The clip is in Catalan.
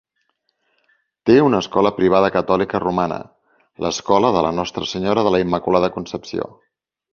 Té una escola privada catòlica romana, l'escola de la Nostra Senyora de la Immaculada Concepció.